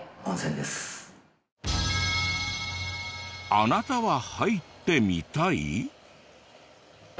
あなたは入ってみたい？